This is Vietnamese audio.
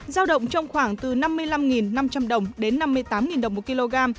giao động trong khoảng từ năm mươi năm năm trăm linh đồng đến năm mươi tám đồng một kg